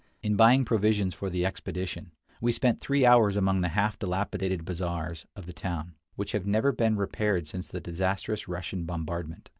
In buying provisions for the expedition, we II 47 spent three hours among the half dilapidated bazaars of the town, which have never been repaired since the disastrous Russian bombardment.